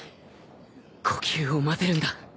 呼吸をまぜるんだ